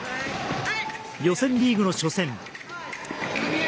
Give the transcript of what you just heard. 予選リーグの初戦。